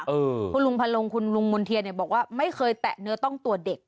คุณลุงพันลงคุณลุงมณ์เทียนเนี่ยบอกว่าไม่เคยแตะเนื้อต้องตัวเด็ก